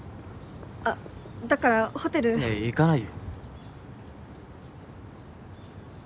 あっだからホテルいや行かないよ